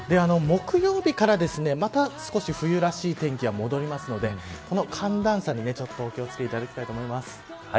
木曜日から、また少し冬らしい天気が戻るのでこの寒暖差にお気を付けいただきたいと思います。